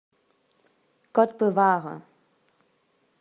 Gott bewahre!